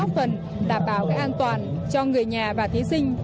góp phần đảm bảo cái an toàn cho người nhà và thí sinh